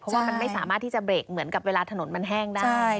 เพราะว่ามันไม่สามารถที่จะเบรกเหมือนกับเวลาถนนมันแห้งได้